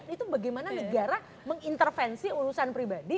itu bagaimana negara mengintervensi urusan pribadi